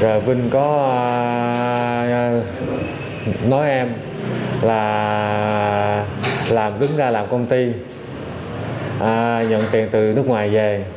rồi vinh có nói em là làm đứng ra làm công ty nhận tiền từ nước ngoài về